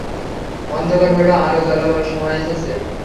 অন্ধকার হল, আলো জ্বালবার সময় এসেছে।